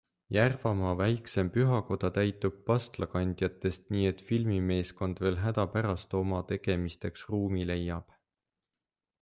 Järvamaa väiksem pühakoda täitub pastlakandjatest, nii et filmimeeskond veel hädapärast oma tegemisteks ruumi leiab.